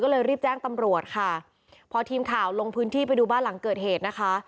ก็เลยรีบแจ้งตำรวจค่ะพอทีมข่าวลงพื้นที่ไปดูบ้านหลังเกิดเหตุนะคะ